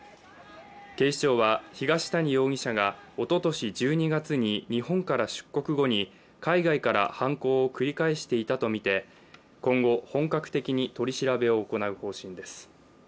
警視庁は東谷容疑者がおととし１２月に日本から出国後に海外から犯行を繰り返していたとみて今後本格的に取り調べを行う方針です。